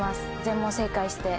全問正解して。